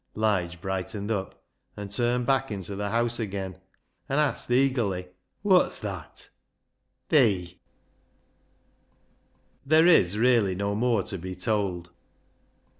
Lige brightened up and turned back into the house again, and asked eagerly —" Wot's that ?"" T/icer There is really no more to be told.